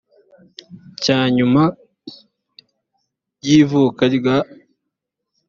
cya nyuma y ivuka rya